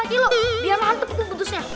biar lantet bu pedesnya